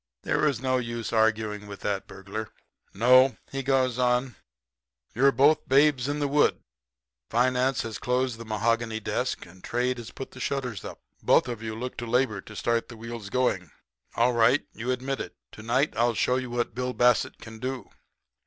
There was no use arguing with that burglar. "'No,' he goes on; 'you're both babes in the wood. Finance has closed the mahogany desk, and trade has put the shutters up. Both of you look to labor to start the wheels going. All right. You admit it. To night I'll show you what Bill Bassett can do.'